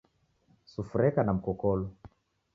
Sufuria yeka na mkokolo.